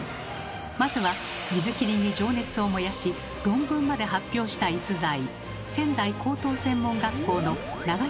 まずは水切りに情熱を燃やし論文まで発表した逸材。